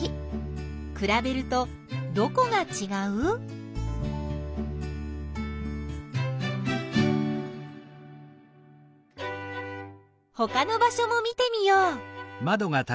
くらべるとどこがちがう？ほかの場しょも見てみよう！